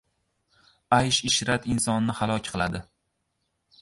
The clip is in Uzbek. • Aysh-ishrat insonni halok qiladi.